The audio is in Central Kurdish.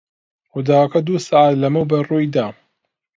ڕووداوەکە دوو سەعات لەمەوبەر ڕووی دا.